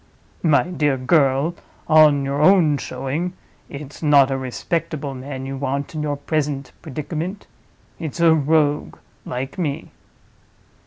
My dear girl, on your own showing, it's not a respectable man you want in your present predicament. It's a Rogue—like me."